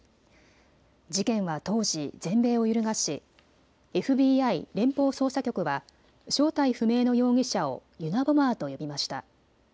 事件は当時、全米を揺るがしＦＢＩ・連邦捜査局は正体不明の容疑者をユナボマーと呼びました。